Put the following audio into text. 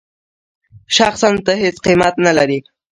شخصاً ته هېڅ قېمت نه لرې.